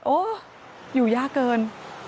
โอ้อยู่ยากเกิน